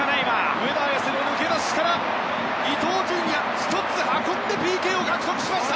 上田綺世の抜けだしから伊東純也１つ運んでＰＫを獲得しました。